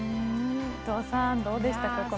伊藤さん、どうでしたか？